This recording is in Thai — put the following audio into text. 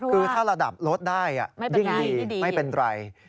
คือถ้าระดับลดได้ยิ่งดีไม่เป็นไร